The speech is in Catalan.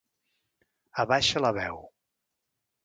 Abaixa la veu...